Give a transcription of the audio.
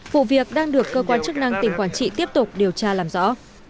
vụ việc đang được cơ quan chức năng tỉnh quảng trị tiếp tục điều tra làm rõ